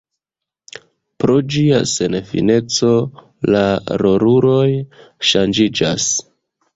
Pro ĝia senfineco la roluloj ŝanĝiĝas.